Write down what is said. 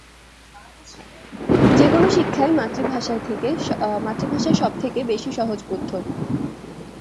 যেকোনো শিক্ষাই মাতৃভাষায় সবথেকে বেশী সহজবোধ্য।